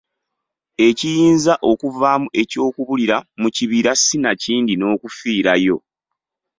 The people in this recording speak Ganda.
Ekiyinza okuvaamu eky'okubulira mu kibira sinakindi n’okufiirayo.